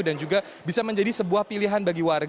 dan juga bisa menjadi sebuah pilihan bagi wakil wakil